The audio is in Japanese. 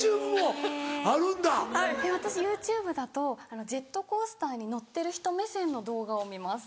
私ＹｏｕＴｕｂｅだとジェットコースターに乗ってる人目線の動画を見ます。